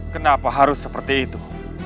kenapa harus seperti itu